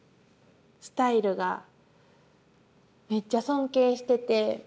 スタイルがめっちゃ尊敬してて。